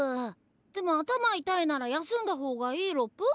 でも頭痛いなら休んだ方がいいロプ。